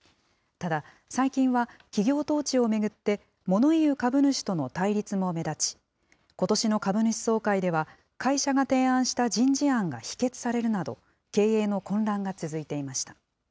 ただ、最近は企業統治を巡って、モノ言う株主との対立も目立ち、ことしの株主総会では、会社が提案した人事案が否決されるなど、経営の混乱が続いていました。